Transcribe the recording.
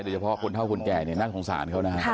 โดยเฉพาะคนเท่าคนแก่น่าทรงสาร